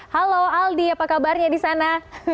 halo aldi apa kabarnya di sana